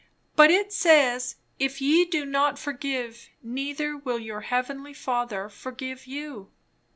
'" "But it says, 'if ye do not forgive, neither will your heavenly Father forgive you.'"